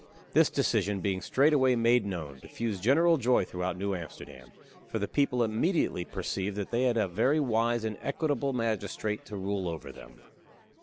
This decision, being straightway made known, diffused general joy throughout New Amsterdam, for the people immediately perceived that they had a very wise and equitable magistrate to rule over them.